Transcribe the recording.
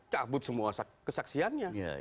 cabut semua kesaksiannya